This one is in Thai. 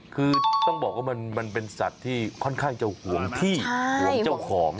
คือต้องบอกว่ามันเป็นสัตว์ที่ค่อนข้างจะห่วงที่ห่วงเจ้าของ